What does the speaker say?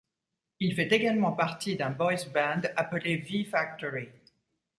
Il fait également partie d'un boys band appelé V Factory.